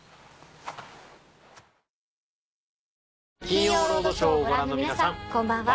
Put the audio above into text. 『金曜ロードショー』をご覧の皆さんこんばんは。